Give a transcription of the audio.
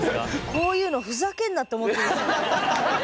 こういうのふざけんなって思ってるんじゃない？